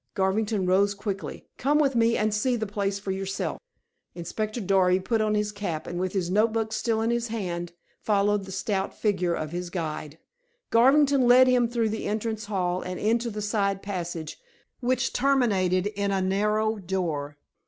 Garvington rose quickly. "Come with me and see the place for yourself!" Inspector Darby put on his cap, and with his notebook still in his hand, followed the stout figure of his guide. Garvington led him through the entrance hall and into a side passage, which terminated in a narrow door.